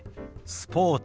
スポーツ。